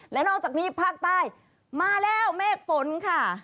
และนอกจากนี้ภาคใต้มาแล้วเมฆฝนค่ะ